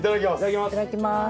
いただきます。